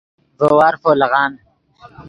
ڤے وارفو لیغان